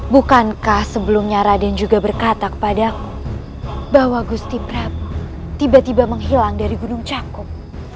bukankah sebelumnya raden juga berkata kepadaku bahwa gusti prap tiba tiba menghilang dari gunung cakup